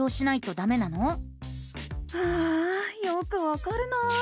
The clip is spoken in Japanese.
ああよくわかるな。